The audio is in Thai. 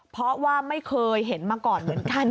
เพราะว่าไม่เคยเห็นมาก่อนเหมือนกัน